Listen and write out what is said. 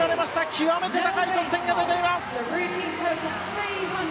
極めて高い得点が出ています！